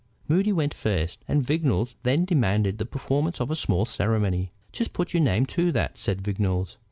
Moody went first, and Vignolles then demanded the performance of a small ceremony. "Just put your name to that," said Vignolles.